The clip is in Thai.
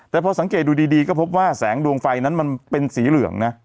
แต่พอสังเกตดูดีก็พบว่าแสงดวงไฟนั้นมันเป็นสีเหลืองนะ